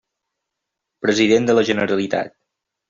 President de la Generalitat.